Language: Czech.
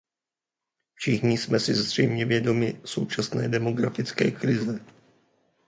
Všichni jsme si zřejmě vědomi současné demografické krize.